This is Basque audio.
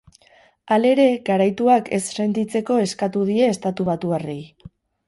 Halere, garaituak ez sentitzeko eskatu die estatubatuarrei.